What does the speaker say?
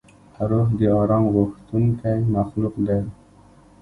روح د آرام غوښتونکی مخلوق دی.